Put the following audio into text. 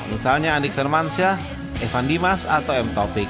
misalnya andik sermansyah evan dimas atau m topic